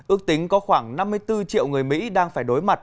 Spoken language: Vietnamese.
ước tính có khoảng năm mươi bốn triệu người mỹ đang phải đối mặt